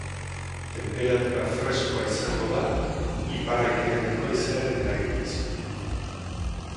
Tenperatura freskoa izango da iparekialdeko haizearen eraginez.